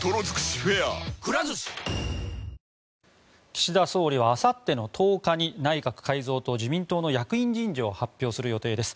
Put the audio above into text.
岸田総理はあさっての１０日に内閣改造と自民党の役員人事を発表する予定です。